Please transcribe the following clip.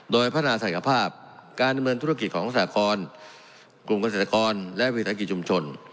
โดยพัฒนาศักยภาพการดำเนินธุรกิจของสาครกลุ่มเกษตรกรและวิสาหกิจชุมชน